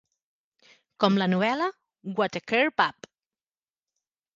Com la novel·la What a Carve Up!